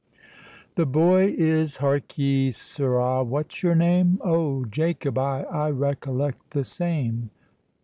The boy is—hark ye, sirrah—what's your name?— Oh, Jacob—ay, I recollect—the same.